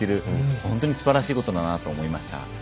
本当にすばらしいことだなと思いました。